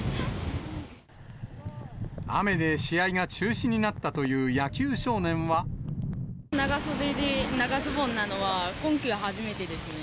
雨で試合が中止になったとい長袖で、長ズボンなのは今季は初めてですね。